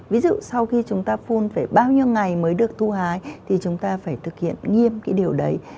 ví dụ sau khi chúng ta phun phải bao nhiêu ngày mới được thu hái thì chúng ta phải thực hiện nghiêm cái điều đấy